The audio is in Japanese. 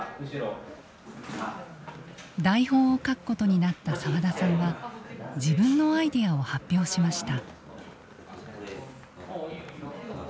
台本を書くことになった澤田さんは自分のアイデアを発表しました。